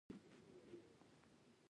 اضافي توکي له بدن څخه باسي.